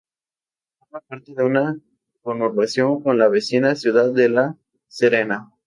Forma parte de una conurbación con la vecina ciudad de La Serena.